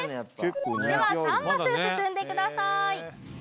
では３マス進んでください